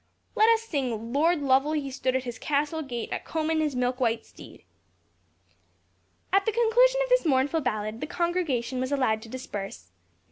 Let us sing 'Lord Lovel he stood at his castle gate, a combing his milk white steed.'" At the conclusion of this mournful ballad, the congregation was allowed to disperse.